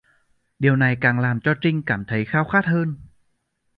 Điều này càng làm cho Trinh cảm thấy khao khát hơn